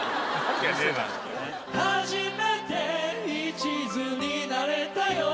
初めて一途になれたよ